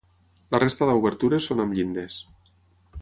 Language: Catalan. La resta d'obertures són amb llindes.